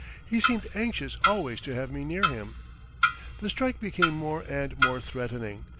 He seemed anxious always to have me near him. The strike became more and more threatening.